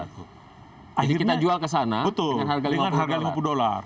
jadi kita jual ke sana dengan harga lima puluh dolar